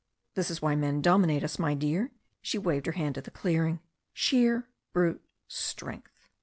"This is why men dominate us, my dear," she waved her hand at the clearing. "Sheer brute Strength."